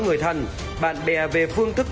người thân bạn bè về phương thức